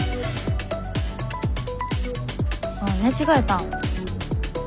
ああ寝違えたん？